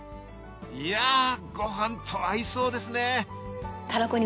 いやごはんと合いそうですね